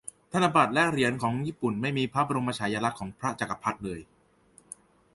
ธนบัตรและหรียนของญี่ปุ่นไม่มีพระบรมนมฉายาลักษ์ของพระจักรพรรดิเลย